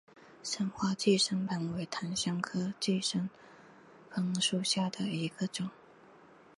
伞花寄生藤为檀香科寄生藤属下的一个种。